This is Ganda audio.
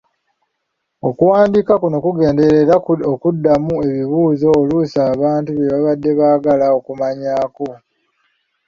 Okuwandiika kuno kugenderera era okuddamu ebibuuzo oluusi abantu bye badde baagala okumanyaako.